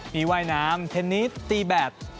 มีว่ายน้ำเทนนิสตีแบบ